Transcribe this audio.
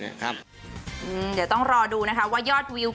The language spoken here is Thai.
เดี๋ยวต้องรอดูนะคะว่ายอดวิว